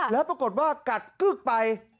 แล้วปรากฏว่ากัดกึ๊กไป